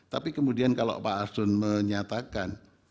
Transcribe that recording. tapi kemudian kalau pak arzun menyatakan